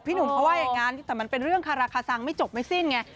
หนุ่มเขาว่าอย่างนั้นแต่มันเป็นเรื่องคาราคาซังไม่จบไม่สิ้นไง